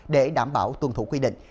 để đảm bảo tuân thủ quy định